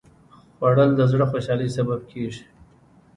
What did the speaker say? خوړل د زړه خوشالي سبب کېږي